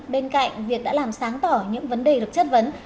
bên cạnh việc đã làm sáng tỏ những vấn đề được chất vấn